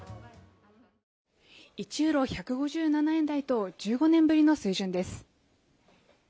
１ユーロ＝１５７円台と１５年ぶりの水準です。